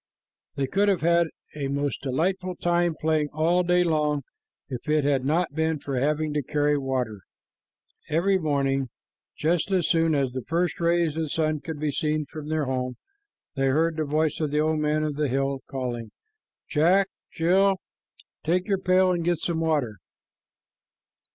They could have had a most delightful time playing all day long if it had not been for having to carry water. Every morning, just as soon as the first rays of the sun could be seen from their home, they heard the voice of the old man of the hill calling, "Jack! Jill! Take your pail and get some water."